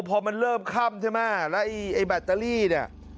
พอมันเริ่มค่ำใช่ไหมแล้วไอ้แบตเตอรี่เนี่ย